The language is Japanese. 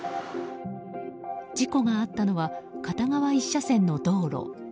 事故があったのは片側１車線の道路。